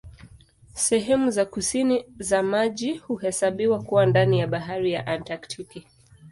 Sehemu za kusini za maji huhesabiwa kuwa ndani ya Bahari ya Antaktiki.